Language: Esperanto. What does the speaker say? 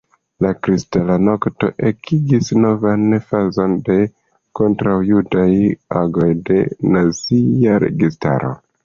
La Kristala nokto ekigis novan fazon de kontraŭjudaj agoj de nazia registaro.